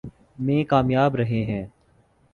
میں کامیاب رہے ہیں۔